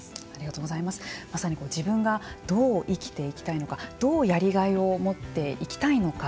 まさに自分がどう生きていきたいのかどうやりがいを持って生きたいのか